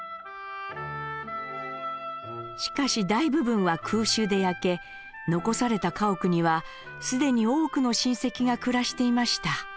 しかし大部分は空襲で焼け残された家屋には既に多くの親戚が暮らしていました。